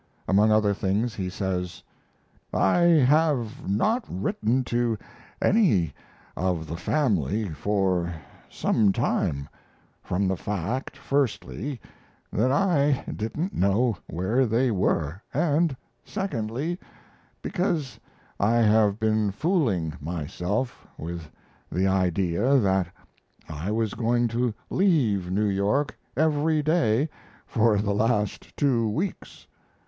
Among other things he says: I have not written to any of the family for some time, from the fact, firstly, that I didn't know where they were, and, secondly, because I have been fooling myself with the idea that I was going to leave New York every day for the last two weeks.